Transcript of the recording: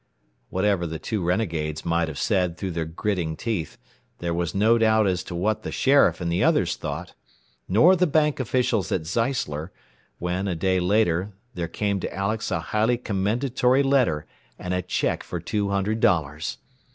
Whatever the two renegades might have said through their gritting teeth, there was no doubt as to what the sheriff and the others thought. Nor the bank officials at Zeisler, when, a day later, there came to Alex a highly commendatory letter and a check for two hundred dollars.